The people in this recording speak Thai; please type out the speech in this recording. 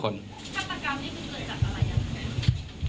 ฆาตกรรมนี้คือเกิดจากอะไรอย่างนี้ครับ